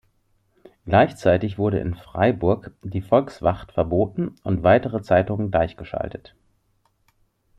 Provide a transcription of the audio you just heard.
Gleichzeitig wurde in Freiburg die "Volkswacht" verboten und weitere Zeitungen gleichgeschaltet.